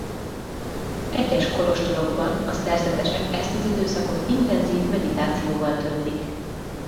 Egyes kolostorokban a szerzetesek ezt az időszakot intenzív meditációval töltik.